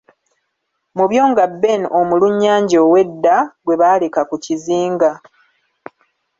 Mu byo nga Ben omulunnyanja ow'edda gwe baaleka ku kizinga.